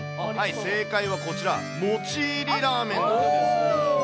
正解はこちら、もち入りラーメンなんです。